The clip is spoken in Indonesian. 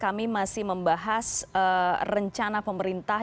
kami masih membahas rencana pemerintah